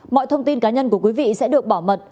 mọi thông tin cá nhân của quý vị sẽ được bảo mật